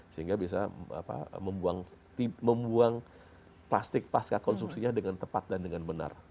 sehingga bisa membuang plastik pasca konsumsinya dengan tepat dan dengan benar